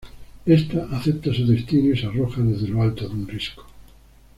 Esta acepta su destino, y se arroja desde lo alto de un risco.